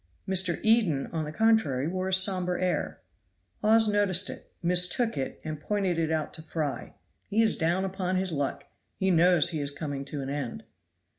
Mr. Eden, on the contrary, wore a somber air. Hawes noticed it, mistook it, and pointed it out to Fry. "He is down upon his luck; he knows he is coming to an end."